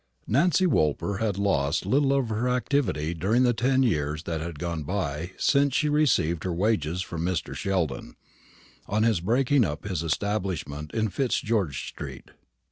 Nancy Woolper had lost little of her activity during the ten years that had gone by since she received her wages from Mr. Sheldon, on his breaking up his establishment in Fitzgeorge street.